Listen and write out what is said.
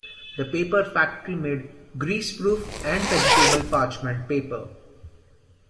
The paper factory made greaseproof and vegetable parchment paper.